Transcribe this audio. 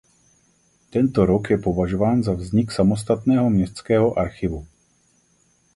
Tento rok je považován za vznik samostatného městského archivu.